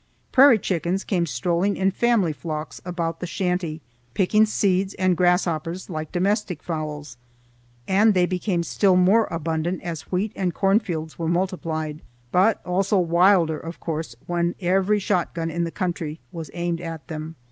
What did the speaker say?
Prairie chickens came strolling in family flocks about the shanty, picking seeds and grasshoppers like domestic fowls, and they became still more abundant as wheat and corn fields were multiplied, but also wilder, of course, when every shotgun in the country was aimed at them.